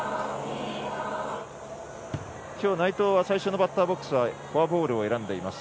今日、内藤は最初のバスケットボールはフォアボールを選んでいます。